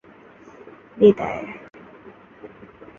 বিদায়।